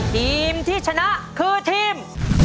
ทีมที่ชนะคือทีม